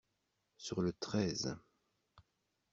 Sur le treize.